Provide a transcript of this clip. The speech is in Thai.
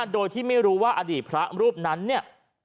โดยที่ไม่รู้ว่าอดีตพระรูปนั้นเนี่ย